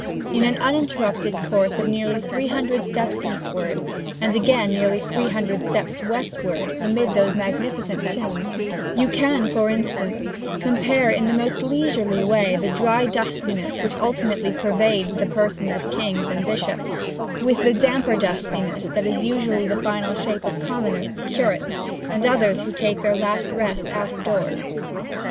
In an uninterrupted course of nearly three hundred steps eastward, and again nearly three hundred steps westward amid those magnificent tombs, you can, for instance, compare in the most leisurely way the dry dustiness which ultimately pervades the persons of kings and bishops with the damper dustiness that is usually the final shape of commoners, curates, and others who take their last rest out of doors.